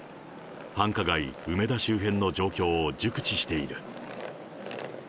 繁華街、梅田周辺の状況を熟知している。